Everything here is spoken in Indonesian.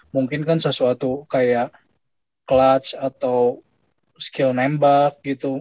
mungkin kan sesuatu kayak clutch atau skill nembak gitu